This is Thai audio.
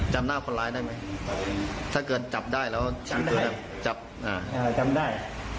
จำเขาจำไว้